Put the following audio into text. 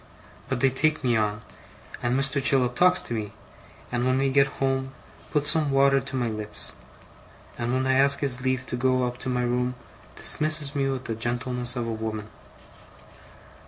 But they take me on; and Mr. Chillip talks to me; and when we get home, puts some water to my lips; and when I ask his leave to go up to my room, dismisses me with the gentleness of a woman.